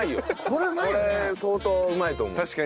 これ相当うまいと思う。